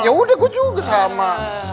yaudah gue juga sama